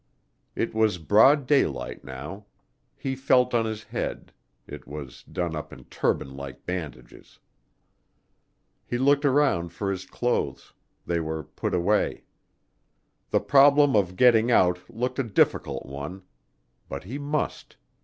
It was broad daylight now. He felt of his head it was done up in turban like bandages. He looked around for his clothes; they were put away. The problem of getting out looked a difficult one. But he must.